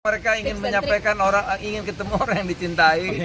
mereka ingin menyampaikan orang ingin ketemu orang yang dicintai